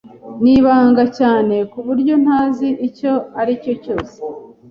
Ni ibanga cyane kuburyo ntazi icyo aricyo cyose.